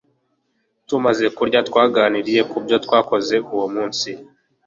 tumaze kurya, twaganiriye kubyo twakoze uwo munsi